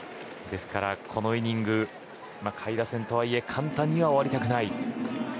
ですからこのイニング下位打線とはいえ簡単には終わりたくない。